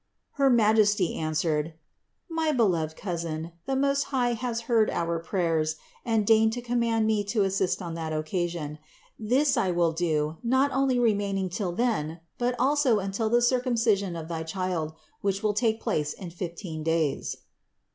Her majesty answered: "My beloved cousin, the Most High has heard our prayers and deigned to command me to assist on that occasion. This I will do, not only remaining till then, but also until the circumcision of thy child, which will take place in fifteen days."